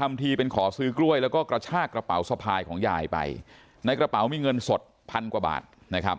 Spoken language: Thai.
ทำทีเป็นขอซื้อกล้วยแล้วก็กระชากระเป๋าสะพายของยายไปในกระเป๋ามีเงินสดพันกว่าบาทนะครับ